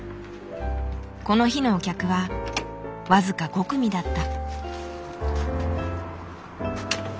この日のお客は僅か５組だった。